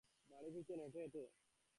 বাড়ি ফিরছেন হেঁটে হেঁটে।